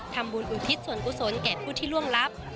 อุทิศส่วนกุศลแก่ผู้ที่ล่วงลับ